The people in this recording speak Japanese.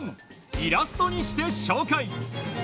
イラストにして紹介。